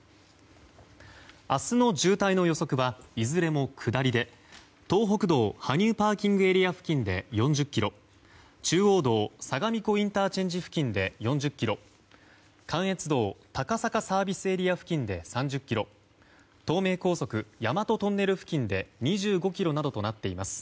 明日の渋滞の予測はいずれも下りで東北道羽生ＰＡ付近で４０ｋｍ中央道相模湖ＩＣ付近で４０ｋｍ関越道高坂ＳＡ付近で３０ｋｍ東名高速大和トンネル付近で２５ｋｍなどとなっています。